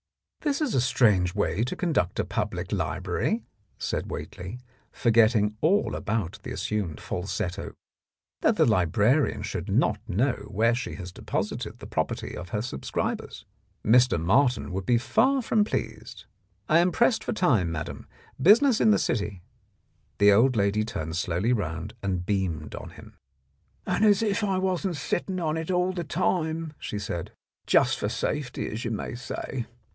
" "This is a strange way to conduct a public library," said Whately, forgetting all about the assumed falsetto, "that the librarian should not know where she has deposited the property of her sub scribers. Mr. Martin would be far from pleased. I am pressed for time, madam. Business in the city " The old lady turned slowly round and beamed on him. "And if I wasn't sitting on it all the time," she said, "just for safety, as you may say.